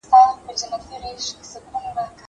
هغه وویل چې اوبه مهمي دي.